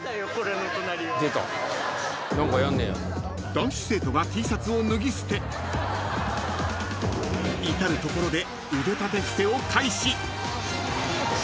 ［男子生徒がＴシャツを脱ぎ捨て至る所で］